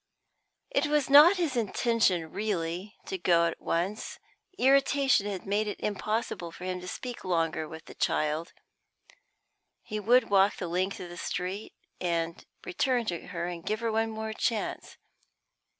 It was not his intention really to go at once. Irritation had made it impossible for him to speak longer with the child; he would walk the length of the street and return to give her one more chance.